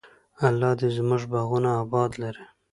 الله دې زموږ باغونه اباد لري.